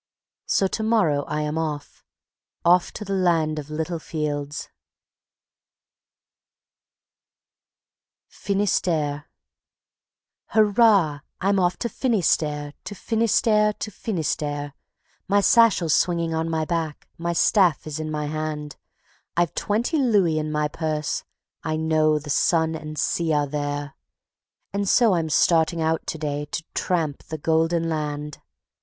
So to morrow I am off, off to the Land of Little Fields. Finistère Hurrah! I'm off to Finistère, to Finistère, to Finistère; My satchel's swinging on my back, my staff is in my hand; I've twenty louis in my purse, I know the sun and sea are there, And so I'm starting out to day to tramp the golden land.